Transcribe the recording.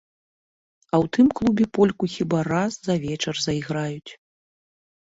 А ў тым клубе польку хіба раз за вечар зайграюць.